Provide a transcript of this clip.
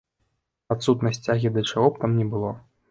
Адсутнасць цягі да чаго б там ні было.